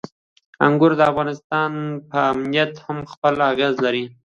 انګور د افغانستان په امنیت هم خپل اغېز لري.